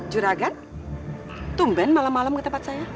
juragan tumben malam malam ke tempat saya